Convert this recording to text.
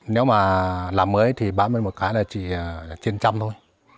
nếu mà làm mới thì ba mươi một cái là chỉ trên trăm thôi